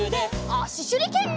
あししゅりけん！